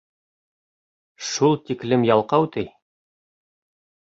Шул тиклем ялҡау, ти.